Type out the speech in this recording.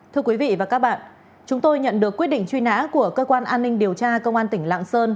thưa quý vị và các bạn chúng tôi nhận được quyết định truy nã của cơ quan an ninh điều tra công an tỉnh lạng sơn